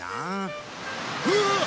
うわっ！